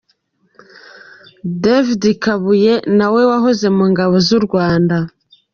David Kabuye nawe wahoze mu ngabo z’u Rwanda.